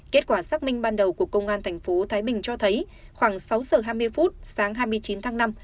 kết quả xác minh ban đầu của công an tp thái bình cho thấy khoảng sáu giờ hai mươi phút sáng hai mươi chín tháng năm